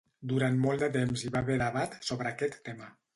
Durant molt de temps hi va haver debat sobre aquest tema.